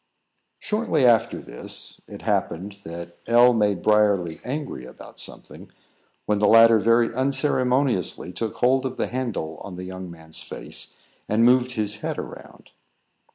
Shortly after this, it happened that L made Briarly angry about something, when the latter very unceremoniously took hold of the handle on the young man's face, and moved his head around.